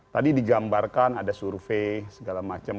tadi digambarkan ada survei segala macam